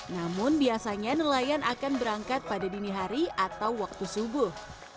namun biasanya nelayan akan berangkat pada dini hari atau waktu subuh